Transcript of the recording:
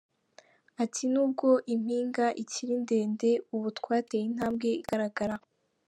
Ati “N’ubwo impinga ikiri ndende ubu twateye intambwe igaragara”.